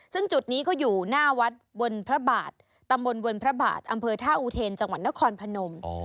ซึ่งจุดนี้ก็อยู่หน้าวัดบนพระบาทตำบลเวิร์นพระบาทอำเภอท่าอูเทนจังหวัดนครพนม